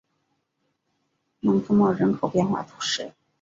蒙特莫人口变化图示